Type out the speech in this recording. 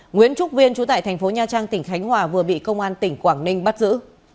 nguyễn trúc viên trú tại thành phố nha trang tỉnh khánh hòa vừa bị công an tỉnh quảng ninh bắt giữ